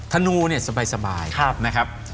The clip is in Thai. ธนูสบายนะครับ